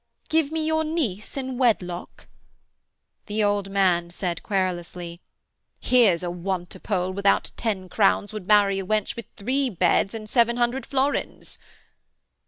Give me your niece in wedlock?' The old man said querulously, 'Here's a wantipole without ten crowns would marry a wench with three beds and seven hundred florins!'